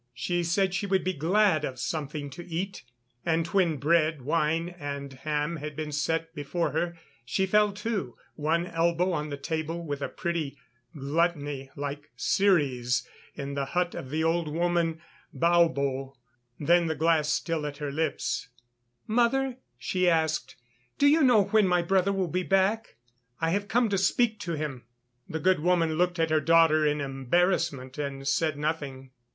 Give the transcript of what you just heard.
She said she would be glad of something to eat, and when bread, wine and ham had been set before her, she fell to, one elbow on the table, with a pretty gluttony, like Ceres in the hut of the old woman Baubo. Then, the glass still at her lips: "Mother," she asked, "do you know when my brother will be back? I have come to speak to him." The good woman looked at her daughter in embarrassment and said nothing.